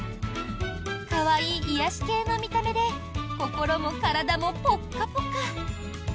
可愛い癒やし系の見た目で心も体もポッカポカ。